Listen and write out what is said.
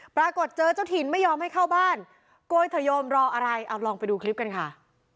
ปรากฏเจอเจ้าถิ่นไม่ยอมให้เข้าบ้านโกยเธอยอมรออะไรเอาลองไปดูคลิปกันค่ะ